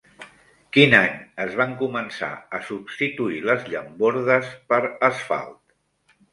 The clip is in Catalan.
Quin any es van començar a substituir les llambordes per asfalt?